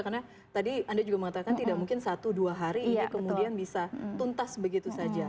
karena tadi anda juga mengatakan tidak mungkin satu dua hari ini kemudian bisa tuntas begitu saja